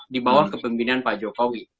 di bawah kepemimpinan pak jokowi